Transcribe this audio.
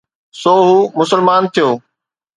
سو هو مسلمان ٿيو